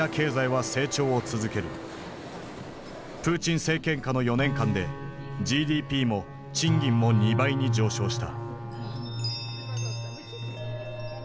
プーチン政権下の４年間でＧＤＰも賃金も２倍に上昇した。